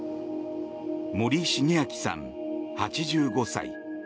森重昭さん、８５歳。